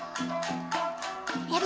あれ？